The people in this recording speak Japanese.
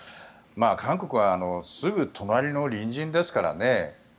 韓国はすぐ隣の隣人ですからね。